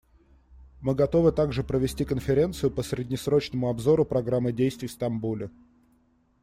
Мы готовы также провести конференцию по среднесрочному обзору Программы действий в Стамбуле.